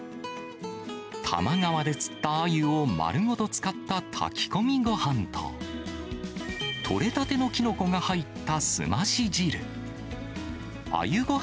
多摩川で釣ったアユを丸ごと使った炊き込みごはんと、取れたてのきのこが入ったすまし汁。